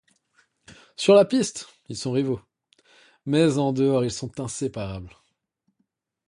Sur la piste, ils sont rivaux, mais en dehors ils sont inséparables.